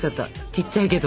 ちっちゃいけど。